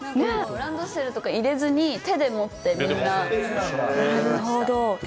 ランドセルとか入れずに手で持って、みんな、いました。